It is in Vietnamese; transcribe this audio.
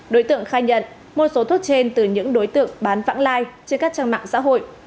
đối tượng khai nhận mua số thuốc trên từ những đối tượng bán phẳng lai trên các trang mạng xã hội